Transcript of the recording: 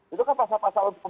itu kan pasal pasal